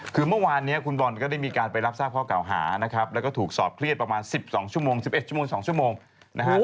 คือเมื่อวานนี้คุณบอลก็ได้มีการไปรับทราบข้อเก่าหานะครับแล้วก็ถูกสอบเครียดประมาณ๑๒ชั่วโมง๑๑ชั่วโมง๒ชั่วโมงนะฮะ